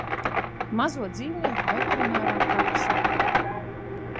Mazo dzīvnieku veterinārā prakse